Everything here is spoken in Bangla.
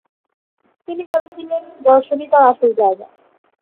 তিনি ভেবেছিলেন, দর্শনই তার আসল জায়গা।